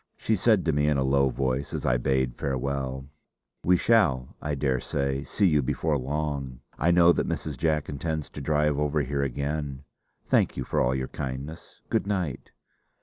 She said to me, in a low voice, as I bade farewell: "We shall, I daresay, see you before long. I know that Mrs. Jack intends to drive over here again. Thank you for all your kindness. Good night!"